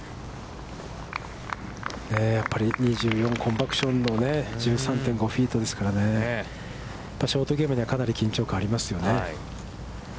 やっぱり２４コンパクションの１３．５フィートですからね、やっぱりショートゲームにはかなり緊張感がありますよね。